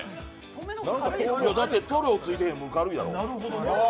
だって、塗料ついてへんもん軽いやろ。